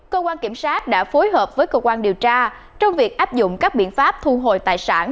cơ quan kiểm soát đã phối hợp với cơ quan điều tra trong việc áp dụng các biện pháp thu hồi tài sản